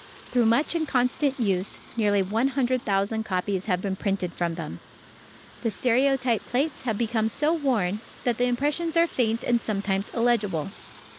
Through much and constant use—nearly 100,000 copies having been printed from them—the stereotype plates have become so worn that the impressions are faint and sometimes illegible.